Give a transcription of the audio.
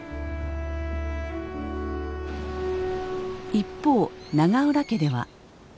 一方永浦家では。